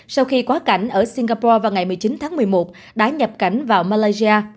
sau khi quá cảnh ở singapore vào ngày một mươi chín tháng một mươi một đã nhập cảnh vào malaysia